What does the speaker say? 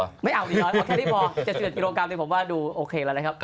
อ้าวแค่นิดมี่เอา๗๐กิโลกรัมผมว่าดูโอเคแล้วนะครับ